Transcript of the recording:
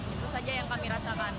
itu saja yang kami rasakan